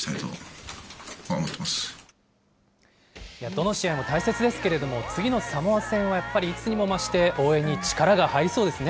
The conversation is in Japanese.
どの試合も大切ですけれども、次のサモア戦はやっぱりいつにもまして応援に力が入りそうですね。